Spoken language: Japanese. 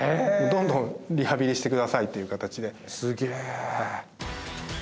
どんどんリハビリしてくださいという形ですげえ